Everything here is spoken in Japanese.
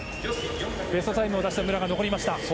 ベストタイムを出して残りました。